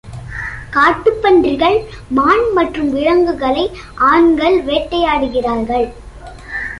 காட்டு பன்றிகள், மான் மற்றும் விலங்குகளை ஆண்கள் வேட்டையாடுகிறார்கள்.